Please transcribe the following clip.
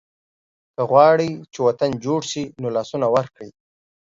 که غواړئ چې وطن جوړ شي نو لاسونه ورکړئ.